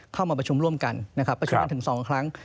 เข้ามาประชุมร่วมกันนะครับประชุมกันถึง๒ครั้ง